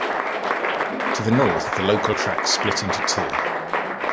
To the north, the local tracks split into two.